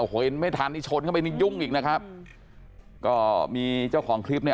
เห็นไม่ทันนี่ชนเข้าไปนี่ยุ่งอีกนะครับก็มีเจ้าของคลิปเนี่ย